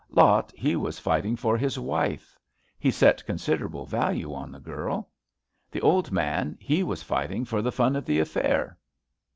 Lot he was fighting for his wife. He set considerable value on the girl. The old man he was fighting for the fun of the affair.